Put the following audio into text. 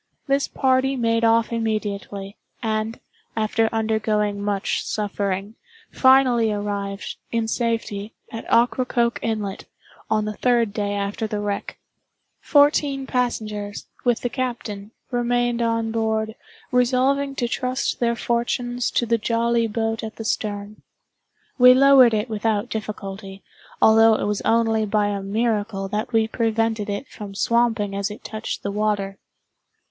This party made off immediately, and, after undergoing much suffering, finally arrived, in safety, at Ocracoke Inlet, on the third day after the wreck. Fourteen passengers, with the captain, remained on board, resolving to trust their fortunes to the jolly boat at the stern. We lowered it without difficulty, although it was only by a miracle that we prevented it from swamping as it touched the water.